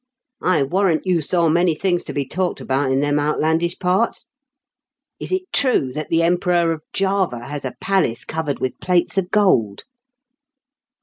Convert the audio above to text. " I warrant you saw many things to be talked about in them outlandish parts. Is it true s 286 IN KENT WITH CEABLE8 DI0KEN8. that the Emperor of Java has a palace covered with plates of gold